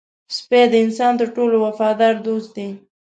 سپي د انسان تر ټولو وفادار دوست دی.